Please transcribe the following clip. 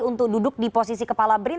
untuk duduk di posisi kepala brin